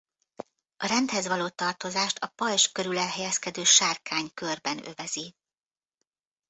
A rendhez való tartozást a pajzs körül elhelyezkedő sárkány körben övezi.